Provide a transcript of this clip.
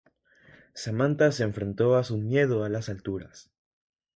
Samanta se enfrentó a su miedo a las alturas.